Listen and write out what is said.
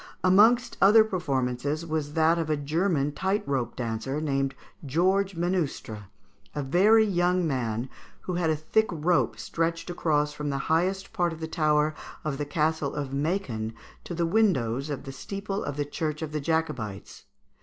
"Amongst other performances was that of a German tight rope dancer, named Georges Menustre, a very young man, who had a thick rope stretched across from the highest part of the tower of the Castle of Mâcon to the windows of the steeple of the Church of the Jacobites.